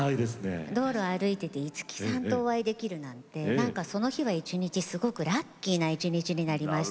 道路を歩いてて五木さんとお会いできるなんてなんかその日は一日すごくラッキーな一日になりました。